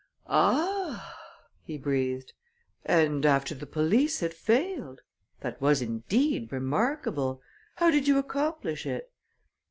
"Ah!" he breathed. "And after the police had failed! That was, indeed, remarkable. How did you accomplish it?"